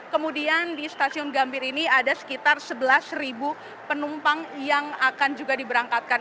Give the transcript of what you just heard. kemudian di stasiun gambir ini ada sekitar sebelas penumpang yang akan juga diberangkatkan